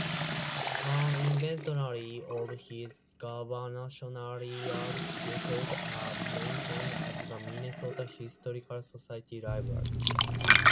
An inventory of his gubernatorial records are maintained at the Minnesota Historical Society Library.